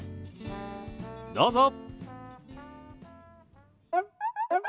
どうぞ。